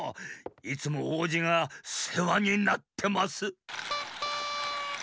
いつもおうじがせわになってます。